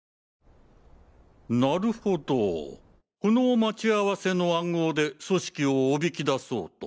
なるほどこの待ち合わせの暗号で組織をおびき出そうと。